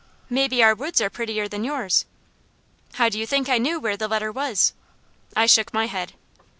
"Maybe our woods are prettier than yours." "How do you think I knew where the letter was?" I shook my head.